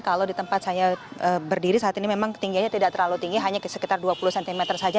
kalau di tempat saya berdiri saat ini memang ketinggiannya tidak terlalu tinggi hanya sekitar dua puluh cm saja